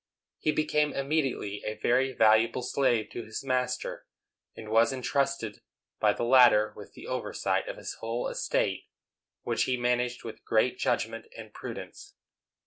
He became immediately a very valuable slave to his master, and was intrusted by the latter with the oversight of his whole estate, which he managed with great judgment and prudence.